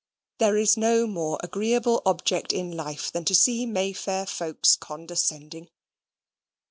There is no more agreeable object in life than to see Mayfair folks condescending.